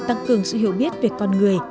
tăng cường sự hiểu biết về con người